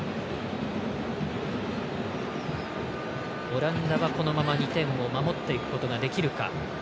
オランダは、このまま２点を守っていくことができるか。